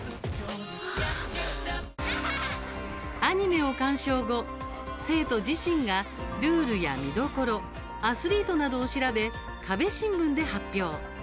アニメを鑑賞後生徒自身がルールや見どころアスリートなどを調べ壁新聞で発表。